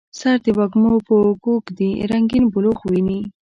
سر د وږمو په اوږو ږدي رنګیین بلوغ ویني